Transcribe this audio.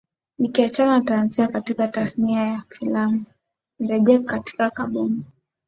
nikiachana na taanzia katika tasnia ya filamu nirejee katika kambumbu